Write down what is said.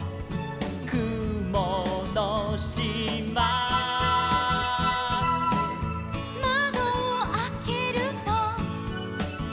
「くものしま」「まどをあけると」